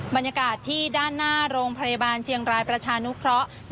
บรรยากาศที่ด้านหน้าโรงพยาบาลเชียงรายประชานุเคราะห์